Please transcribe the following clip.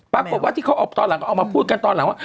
หรือว่าที่เขาออกมาพูดกันตอนหลังว่า